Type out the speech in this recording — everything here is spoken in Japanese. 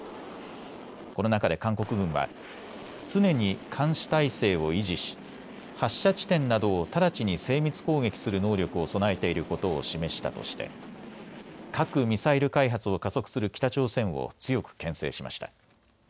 この中で韓国軍は常に監視態勢を維持し発射地点などを直ちに精密攻撃する能力を備えていることを示したとして核・ミサイル開発を加速する北朝鮮を強くけん制しました。